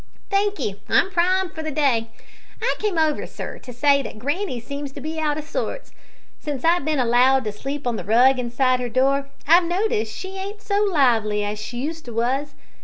"Thankee, I'm primed for the day. I came over, sir, to say that granny seems to me to be out o' sorts. Since I've been allowed to sleep on the rug inside her door, I've noticed that she ain't so lively as she used to was.